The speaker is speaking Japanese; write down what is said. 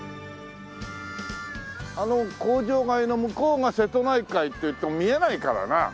あの工場街の向こうが瀬戸内海って言っても見えないからな。